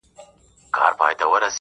• او تر آس نه یم په لس ځله غښتلی -